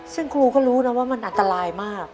ซึ่งครูก็รู้นะว่ามันอันตรายมาก